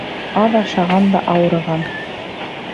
Аҙ ашаған да ауырыған